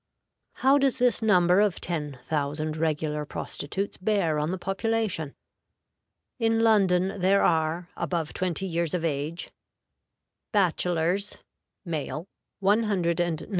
How does this number of ten thousand regular prostitutes bear on the population? In London there are, above twenty years of age, Male. Female.